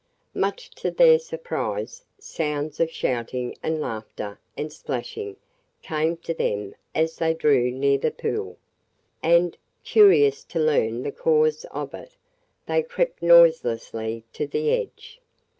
Much to their surprise, sounds of shouting and laughter and splashing came to them as they drew near the pool, and, curious to learn the cause of it, they crept noiselessly to the edge.